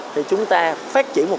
thì chúng ta phát triển